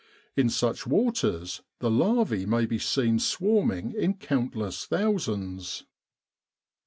In such waters the larvae may be seen swarming in countless thousands.